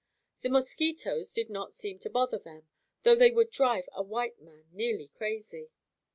The mosquitoes did not seem to bother them, though they would drive a white man nearly crazy.